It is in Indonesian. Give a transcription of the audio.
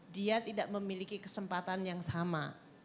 dia tidak memiliki kesempatan yang sama